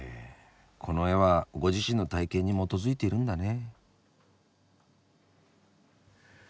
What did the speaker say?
この絵はご自身の体験に基づいているんだね。